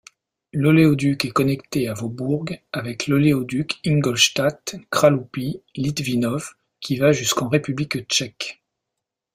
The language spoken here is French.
L'oléoduc est connecté à Vohburg avec l'oléoduc Ingolstadt-Kralupy-Litvínov qui va jusqu'en République Tchèque.